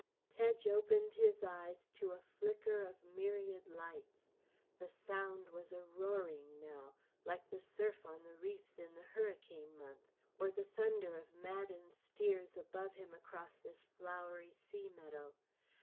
Tedge opened his eyes to a flicker of myriad lights. The sound was a roaring now like the surf on the reefs in the hurricane month; or the thunder of maddened steers above him across this flowery sea meadow.